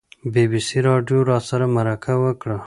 بي بي سي راډیو راسره مرکه وکړه.